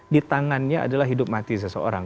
di tangannya adalah hidup mati seseorang